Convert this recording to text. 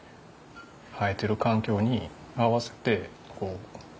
生えてる環境に合わせてこう。